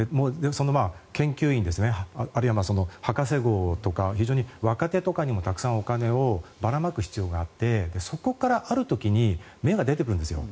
研究員ですねあるいは博士号とか非常に若手とかにも、たくさんお金をばらまく必要があってそこからある時に芽が出てくるんですよ。